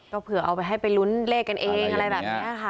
ก็เผื่อเอาไปให้ไปลุ้นเลขกันเองอะไรแบบนี้ค่ะ